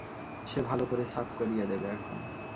সে ভালো করে সাফ করিয়ে দেব এখন।